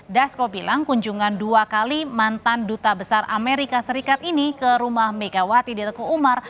dasko bilang kunjungan dua kali mantan duta besar amerika serikat ini ke rumah megawati di teguh umar